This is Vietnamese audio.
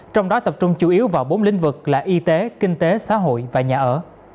trong đó tập trung chủ yếu vào bốn lĩnh vực là y tế kinh tế xã hội và nhà ở